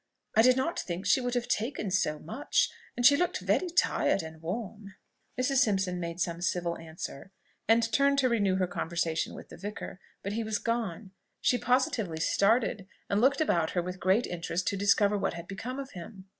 "I did not think she would have taken so much; and she looked very tired and warm." Mrs. Simpson made some civil answer, and turned to renew her conversation with the Vicar; but he was gone. She positively started, and looked about her with great interest to discover what had become of him.